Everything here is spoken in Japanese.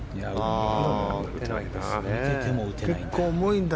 見てても打てないんだ。